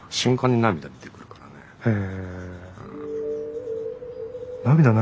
へえ。